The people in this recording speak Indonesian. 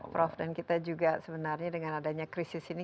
prof dan kita juga sebenarnya dengan adanya krisis ini